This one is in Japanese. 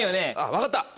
分かった。